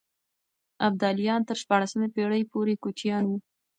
ابداليان تر شپاړسمې پېړۍ پورې کوچيان وو.